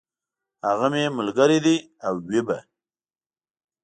هغه مي ملګری دی او وي به !